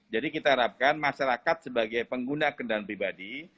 jadi kita harapkan masyarakat sebagai pengguna kendaraan pribadi